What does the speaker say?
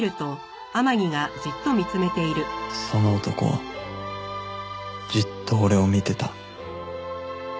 その男はじっと俺を見てた